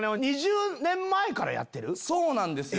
そうなんですよ。